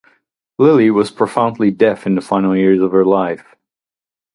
Lilly was profoundly deaf in the final years of her life.